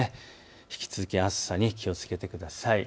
引き続き暑さに気をつけてください。